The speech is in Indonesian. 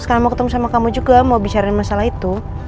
sekarang mau ketemu sama kamu juga mau bicarain masalah itu